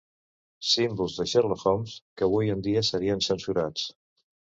Símbols de Sherlock Holmes que avui en dia serien censurats.